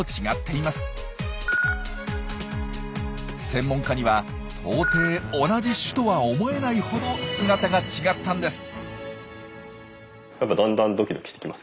専門家には到底同じ種とは思えないほど姿が違ったんです。